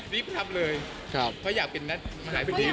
ดีตรับเลยเพราะอยากเป็นนัทอาหารเสดที